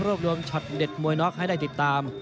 รวมช็อตเด็ดมวยน็อกให้ได้ติดตาม